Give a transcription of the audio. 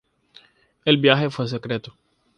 El viaje fue secreto.